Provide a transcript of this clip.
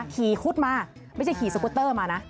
คุดมาไม่ใช่ขี่สกุตเตอร์มานะ